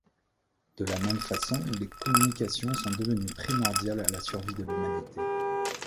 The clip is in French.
De la même façon, les communications sont devenues primordiales à la survie de l'humanité.